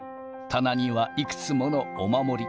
棚にはいくつものお守り。